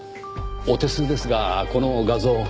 お手数ですがこの画像